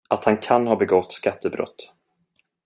Att han kan ha begått skattebrott.